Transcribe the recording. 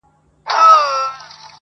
ستا په دې معاش نو کمه خوا سمېږي،